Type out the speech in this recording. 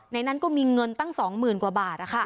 ในนั้นก็มีเงินตั้ง๒๐๐๐๐บาทอ่ะค่ะ